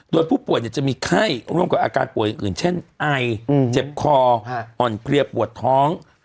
โดยผู้ป่วยจะมีไข้ร่วมกับอาการป่วยอื่นเช่นไอเจ็บคออ่อนเพลียปวดท้อง